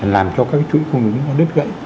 làm cho các chuỗi công đứng nó đứt gãy